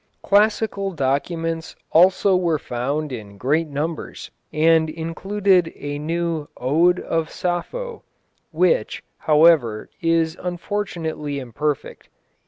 Classical documents also were found in great numbers, and included a new Ode of Sappho, which, however, is unfortunately imperfect.